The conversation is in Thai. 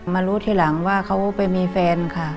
มารู้ทีหลังว่าเขาไปมีแฟนค่ะ